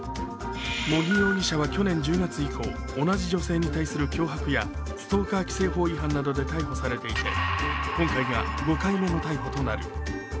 茂木容疑者は去年１０月以降同じ女性に対する脅迫やストーカー規制法違反などで逮捕されていて今回が５回目の逮捕となる。